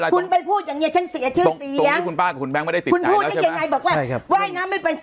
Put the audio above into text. คุณแบบเพิ่งไ้พูดอย่างนี้